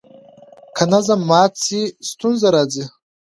که نظم مات سي ستونزه راځي.